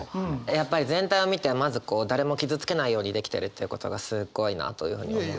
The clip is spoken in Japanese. やっぱり全体を見てまずこう誰も傷つけないように出来てるということがすっごいなというふうに思って。